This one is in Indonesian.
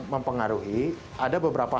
mempengaruhi ada beberapa